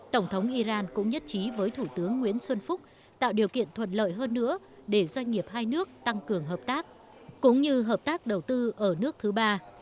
tổng thống iran cũng nhất trí với thủ tướng nguyễn xuân phúc tạo điều kiện thuận lợi hơn nữa để doanh nghiệp hai nước tăng cường hợp tác cũng như hợp tác đầu tư ở nước thứ ba